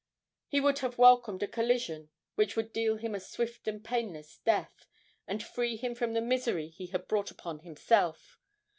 He would have welcomed a collision which would deal him a swift and painless death, and free him from the misery he had brought upon himself.